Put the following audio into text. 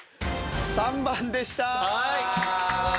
３番でした。